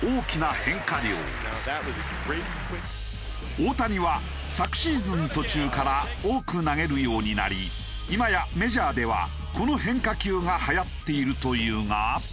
大谷は昨シーズン途中から多く投げるようになりいまやメジャーではこの変化球がはやっているというが。